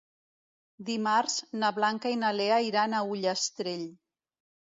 Dimarts na Blanca i na Lea iran a Ullastrell.